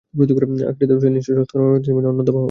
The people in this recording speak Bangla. আখিরাতেও সে নিশ্চয়ই সৎকর্মপরায়ণদের অন্যতম হবে।